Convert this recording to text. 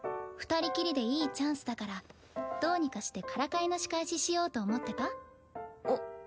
二人きりでいいチャンスだからどうにかしてからかいの仕返ししようと思ってた？